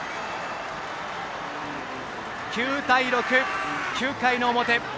９対６、９回の表。